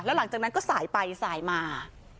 หลังจากนั้นก็สายไปสายมา